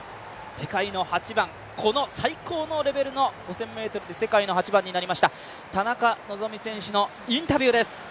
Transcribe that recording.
世界の８番、この最高のレベルの５０００ｍで世界の８番になりました田中希実選手のインタビューです。